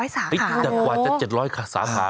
๗๐๐สาขาเฮ้ยดังใดจะ๗๐๐สาขา